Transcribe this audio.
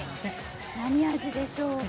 何味でしょうか？